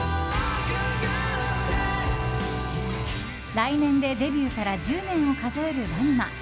来年でデビューから１０年を数えるＷＡＮＩＭＡ。